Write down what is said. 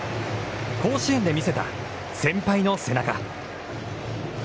甲子園で見せた先輩の背中。